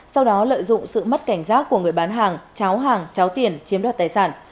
sau đó lợi dụng sự mất cảnh giác của người bán hàng cháo hàng cháu tiền chiếm đoạt tài sản